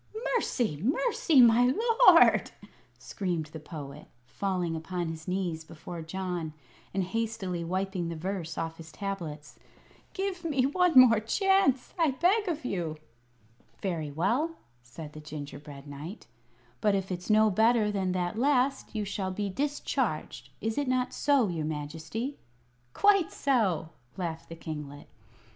"Mercy! mercy, my lord!" screamed the Poet, falling upon his knees before John and hastily wiping the verse off his tablets, "give me one more chance, I beg of you!" "Very well," said the gingerbread knight. "But if it's no better than the last you shall be discharged. Is it not so, your Majesty?" "Quite so," laughed the kinglet.